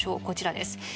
こちらです。